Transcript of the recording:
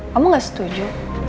kamu gak setuju